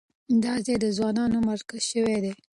دا ځای د ځوانانو مرکز شوی دی.